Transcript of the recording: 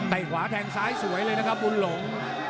ขวาแทงซ้ายสวยเลยนะครับบุญหลง